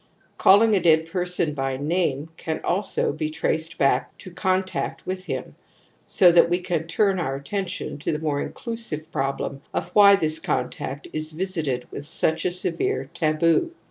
Call ing a dead person by name can alsq be traced back to contact with him, s6 that we can tiu n our attention to the more inclusive problem of why this contact is visited with such a severe taboo.